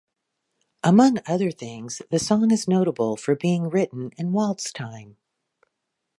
Among other things, the song is notable for being written in waltz time.